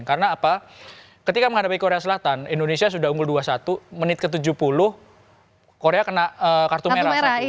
karena ketika menghadapi korea selatan indonesia sudah unggul dua puluh satu menit ke tujuh puluh korea kena kartu merah